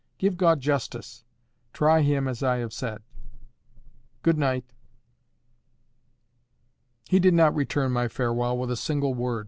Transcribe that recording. Give God justice. Try Him as I have said.—Good night." He did not return my farewell with a single word.